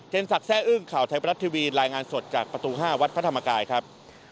สักแซ่อึ้งข่าวไทยบรัฐทีวีรายงานสดจากประตู๕วัดพระธรรมกายครับ